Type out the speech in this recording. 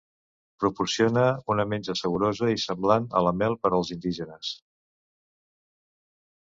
Proporciona una menja saborosa i semblant a la mel per als indígenes.